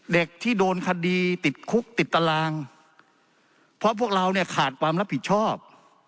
เด็กที่โดนคดีติดคุกติดตารางเพราะพวกเราเนี่ยขาดความรับผิดชอบ